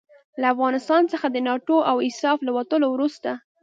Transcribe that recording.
له افغانستان څخه د ناټو او ایساف له وتلو وروسته.